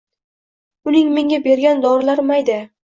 Uning menga bergan dorilari mayda